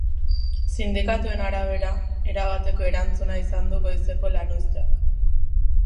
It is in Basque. Sindikatuen arabera, erabateko erantzuna izan du goizeko lanuzteak.